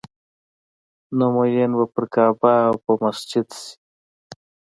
نو مين به پر کعبه او په سجده شي